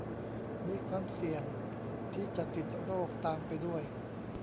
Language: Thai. มีความเสี่ยงที่จะติดโรคตามไปด้วย